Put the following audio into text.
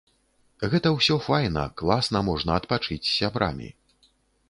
Гэта ўсё файна, класна можна адпачыць з сябрамі.